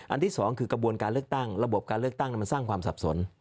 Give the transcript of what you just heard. ที่สองคือกระบวนการเลือกตั้งระบบการเลือกตั้งมันสร้างความสับสน